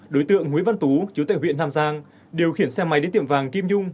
đối tượng nguyễn văn tú chủ tài huyện nam giang điều khiển xe máy đến tiệm vàng kim nhung